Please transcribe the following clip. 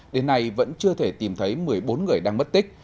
đến nay vẫn chưa thể tìm thấy một mươi bốn người đang mất tích